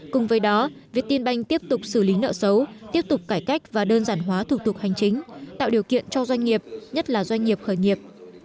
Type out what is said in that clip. cùng với đó việt tinh banh tiếp tục xử lý nợ xấu tiếp tục cải cách và đơn giản hóa thủ tục hành chính tạo điều kiện cho doanh nghiệp nhất là doanh nghiệp khởi nghiệp